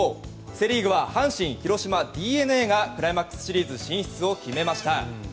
セ・リーグは阪神、広島ＤｅＮＡがクライマックスシリーズ進出をきめました。